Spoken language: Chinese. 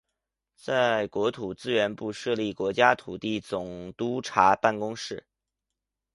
在国土资源部设立国家土地总督察办公室。